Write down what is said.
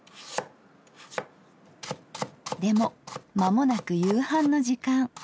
でも間もなく夕飯の時間。